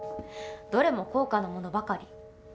どれも高価なものばかり。